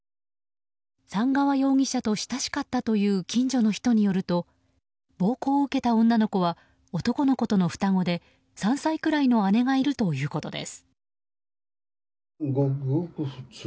寒川容疑者と親しかったという近所の人によると暴行を受けた女の子は男の子との双子で３歳くらいの姉がいるということです。